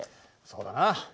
そうだなぁ。